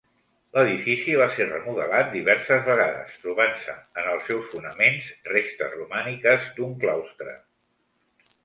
L'edifici va ser remodelat diverses vegades, trobant-se en els seus fonaments restes romàniques d'un claustre.